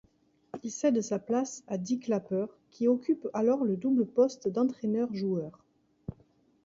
Il cède sa place à Dit Clapper qui occupe alors le double poste d'entraîneur-joueur.